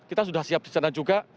kita sudah siap di sana juga